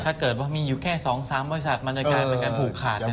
ถ้าเกิดว่ามีอยู่แค่๒๓บริษัทมันจะกลายเป็นการผูกขาด